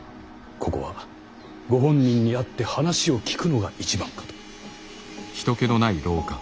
ここはご本人に会って話を聞くのが一番かと。